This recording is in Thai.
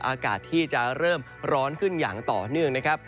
อากาศที่จะเริ่มร้อนขึ้นอย่างต่อเนื่องนะครับ